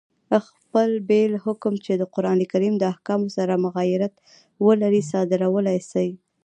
خپل بېل حکم، چي د قرآن کریم د احکامو سره مغایرت ولري، صادرولای سي.